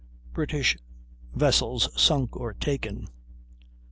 BRITISH VESSELS SUNK OR TAKEN.